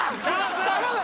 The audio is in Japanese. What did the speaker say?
頼む！